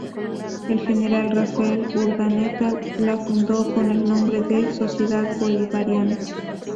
El general Rafael Urdaneta la fundó con el nombre de ""Sociedad Bolivariana"".